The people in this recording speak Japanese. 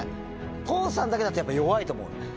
康さんだけだと、やっぱ弱いと思うの。